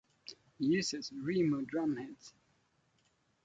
He uses Remo drum heads.